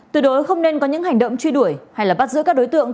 từ đối không nên có những hành động truy đuổi hay là bắt giữ các đối tượng